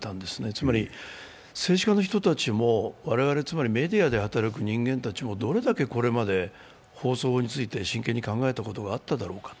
つまり、政治家の人たちも我々、メディアで働く人間たちもどれだけこれまで放送法について真剣に考えたことがあっただろうか。